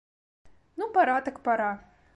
Ну пара, так пара!